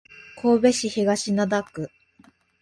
神戸市東灘区